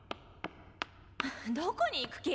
・どこに行く気？